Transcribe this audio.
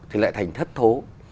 thì lại thành thất thố